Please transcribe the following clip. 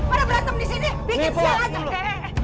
pada berantem di sini bikin siang aja